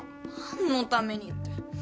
何のためにって。